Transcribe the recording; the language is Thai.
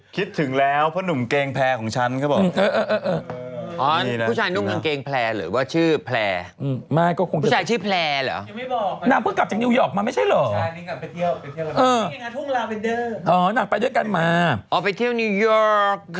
คิดถึงแล้วเพราะหนุ่มเกงแพลร์ของฉันเขาบอก